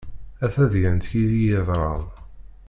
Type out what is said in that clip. A tadyant yid-i yeḍran.